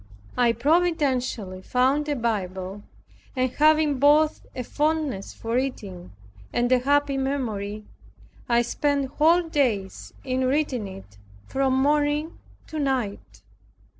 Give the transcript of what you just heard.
I providentially found a Bible and having both a fondness for reading and a happy memory, I spent whole days in reading it from morning to night.